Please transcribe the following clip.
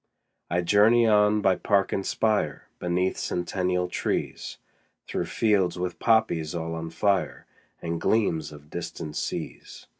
20 I journey on by park and spire, Beneath centennial trees, Through fields with poppies all on fire, And gleams of distant seas.